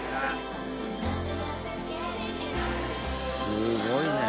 すごいね。